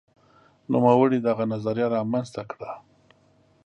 نوموړي دغه نظریه رامنځته کړه.